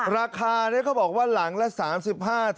ราคานี่เขาบอกว่าหลังละ๓๕๖๐ล้านบาท